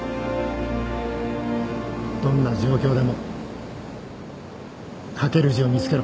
どんな状況でも書ける字を見つけろ。